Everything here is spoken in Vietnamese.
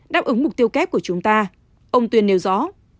đáp ứng mục tiêu kép của chúng ta ông tuyên nêu rõ